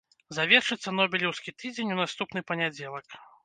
Завершыцца нобелеўскі тыдзень у наступны панядзелак.